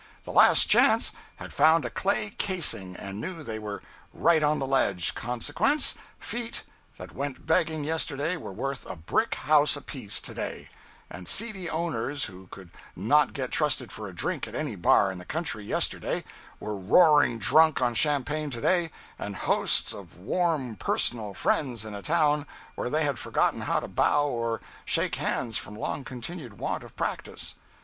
The "Last Chance" had found a "clay casing" and knew they were "right on the ledge"—consequence, "feet" that went begging yesterday were worth a brick house apiece to day, and seedy owners who could not get trusted for a drink at any bar in the country yesterday were roaring drunk on champagne to day and had hosts of warm personal friends in a town where they had forgotten how to bow or shake hands from long continued want of practice.